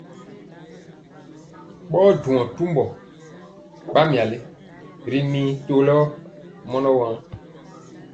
A duŋɔ tumbɔ ɓa myali ri mii tɔlɔ mɔnɔ waŋ.